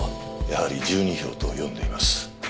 やはり１２票と読んでいます。